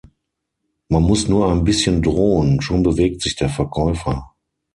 Man muss nur ein bisschen drohen, schon bewegt sich der Verkäufer.